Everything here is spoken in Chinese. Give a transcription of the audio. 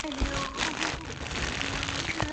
但远端的节片长宽几近相等。